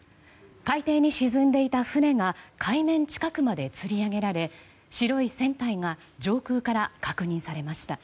海底に沈んでいた船が海面近くまでつり上げられ白い船体が上空から確認されました。